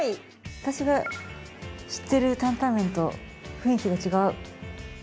私が知ってるタンタン麺と雰囲気が違う。